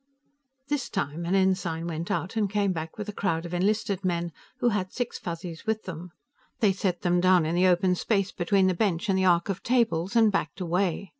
This time, an ensign went out and came back with a crowd of enlisted men, who had six Fuzzies with them. They set them down in the open space between the bench and the arc of tables and backed away.